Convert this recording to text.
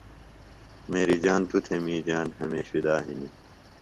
میری جان توۡ تھےۡ می جان ہمیش فدا ہِنیۡ۔